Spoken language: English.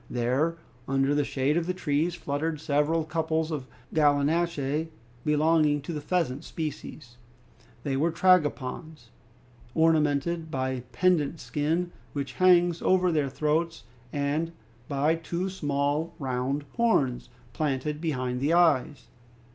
There under the shade of the trees fluttered several couples of gallinaceae belonging to the pheasant species. They were tragopans, ornamented by a pendant skin which hangs over their throats, and by two small, round horns, planted behind the eyes.